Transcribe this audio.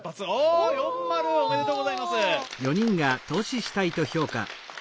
お４マルおめでとうございます。